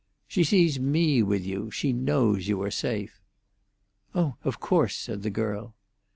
"She sees me with you; she knows you are safe." "Oh, of course," said the girl.